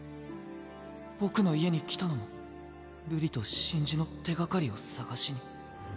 僕の家に来たのも瑠璃と真珠の手がかりを探しに。